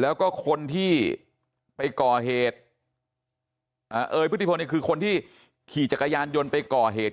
แล้วก็คนที่ไปก่อเหตุเอ๋ยพฤติพลเนี่ยคือคนที่ขี่จักรยานยนต์ไปก่อเหตุ